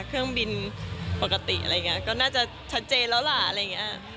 เครื่องบินปกติอะไรอย่างนี้ก็น่าจะชัดเจนแล้วล่ะอะไรอย่างนี้